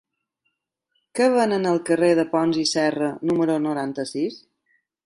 Què venen al carrer de Pons i Serra número noranta-sis?